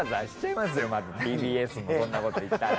またＴＢＳもそんなこと言ったら。